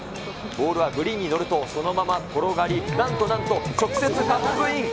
ボールはグリーンに乗ると、そのまま転がり、なんとなんと直接カップイン。